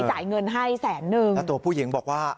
จ่ายเงินให้แสนนึงแล้วตัวผู้หญิงบอกว่า